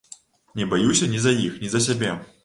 Не баюся ні за іх, ні за сябе.